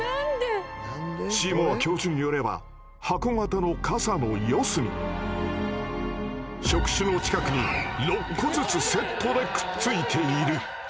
シーモア教授によれば箱型の傘の四隅触手の近くに６個ずつセットでくっついている。